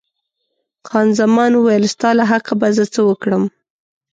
خان زمان وویل، ستا له حقه به زه څه وکړم.